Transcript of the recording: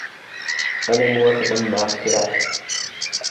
أنا موافق مع اقتراحه.